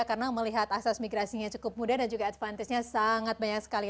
karena melihat asas migrasinya cukup mudah dan juga advantage nya sangat banyak sekali